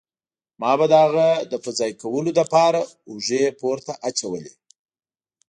ما به د هغه د په ځای کولو له پاره اوږې پورته اچولې.